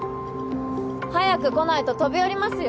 早く来ないと飛び降りますよ？